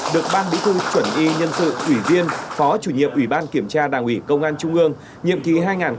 được ban bí thư chuẩn y nhân sự ủy viên phó chủ nhiệm ủy ban kiểm tra đảng ủy công an trung ương nhiệm kỳ hai nghìn hai mươi hai nghìn hai mươi năm